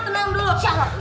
tenang dulu tenang dulu